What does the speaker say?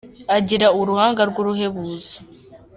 Agira uruhanga rw’uruhebuza